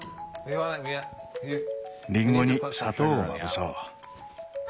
リンゴに砂糖をまぶそう。